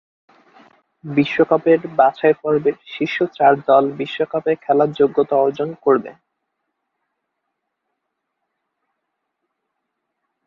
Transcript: বিশ্বকাপে বাছাইপর্বের শীর্ষ চার দল বিশ্বকাপে খেলার যোগ্যতা অর্জন করবে।